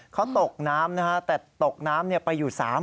เขาตกน้ำนะครับแต่ตกน้ำไปอยู่๓วัน